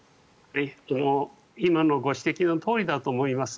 今のご指摘のとおりだと思います。